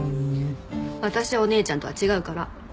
私はお姉ちゃんとは違うから。